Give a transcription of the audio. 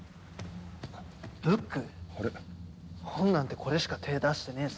本なんてこれしか手ぇ出してねえぞ。